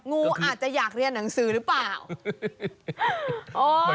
งูอาจจะอยากเรียนหนังสือหรือเปล่า